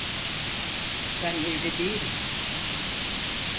Ben evli değilim.